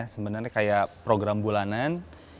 sebenarnya kayak program bulanan